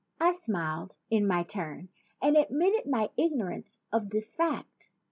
I smiled in my turn and admitted my igno rance of this fact.